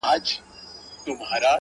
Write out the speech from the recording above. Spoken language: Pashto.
هغه نجلۍ چي هر ساعت به یې پوښتنه کول؛